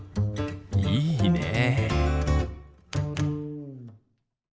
いいね。